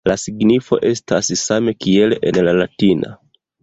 La signifo estas same kiel en la latina.